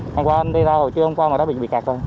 hôm qua anh đi ra hồi trưa hôm qua mà đã bị cạt rồi